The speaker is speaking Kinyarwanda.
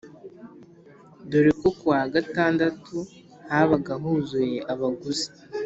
dore ko kuwa gatandatu habaga huzuye abaguzi